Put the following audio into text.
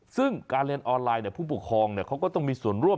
ซึ่งการเรียนออนไลน์ผู้ปกครองเขาก็ต้องมีส่วนร่วม